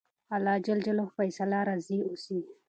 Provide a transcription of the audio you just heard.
د اللهﷻ په فیصله راضي اوسئ.